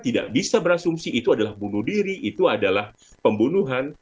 tidak bisa berasumsi itu adalah bunuh diri itu adalah pembunuhan